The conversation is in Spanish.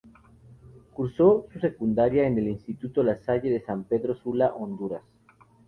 Cursó su secundaria en el instituto La Salle de San Pedro Sula, Honduras.